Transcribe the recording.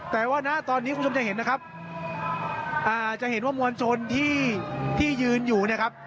แต่ว่าณตอนนี้คุณผู้ชมจะเห็นนะครับอ่าจะเห็นว่ามวลชนที่ที่ยืนอยู่เนี่ยครับ